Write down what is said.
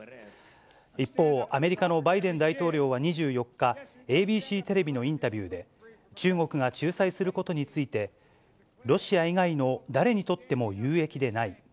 一方、アメリカのバイデン大統領は２４日、ＡＢＣテレビのインタビューで、中国が仲裁することについて、ロシア以外の誰にとっても有益でない。